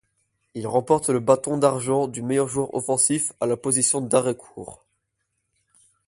Il remporte le Bâton d'argent du meilleur joueur offensif à la position d'arrêt-court.